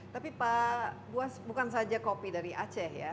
tapi pak buas bukan saja kopi dari aceh ya